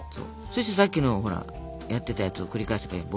そしてさっきのほらやってたやつを繰り返せばいいの。